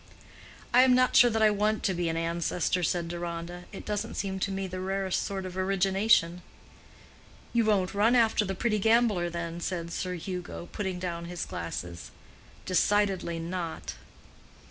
"I am not sure that I want to be an ancestor," said Deronda. "It doesn't seem to me the rarest sort of origination." "You won't run after the pretty gambler, then?" said Sir Hugo, putting down his glasses. "Decidedly not."